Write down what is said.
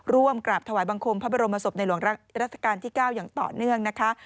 ร่วมกราบถวายบังคมพระบรมศพในหลวงรัชกาลที่๙อย่างต่อเนื่องนะคะ